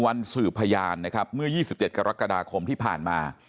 วันสืบพยาญนะครับเมื่อยี่สิบเจ็ดกรกฎาคมที่ผ่านมา